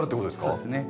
そうですね。